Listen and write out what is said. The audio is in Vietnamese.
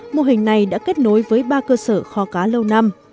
mô hình này đã kết nối với ba cơ sở kho cá lâu năm